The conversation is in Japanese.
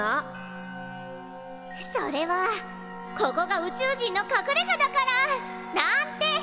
それはここが宇宙人のかくれがだから！なんて！